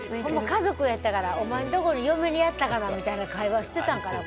家族やったからお前んとこに嫁にやったからみたいな会話してたんかな？